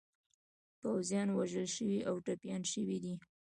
پوځیان وژل شوي او ټپیان شوي دي.